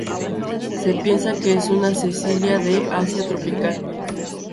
Se piensa que es una cecilia del Asia tropical.